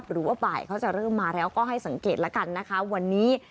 หรือว่าบ่ายเขาจะเริ่มมาแล้วก็ให้สังเกตแล้วกันนะคะวันนี้